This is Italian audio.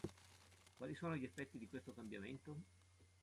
Quali sono gli effetti di questo cambiamento?